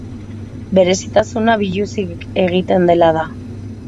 Berezitasuna biluzik egiten dela da.